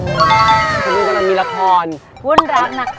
ชีวิตก็กำลังมีราคาร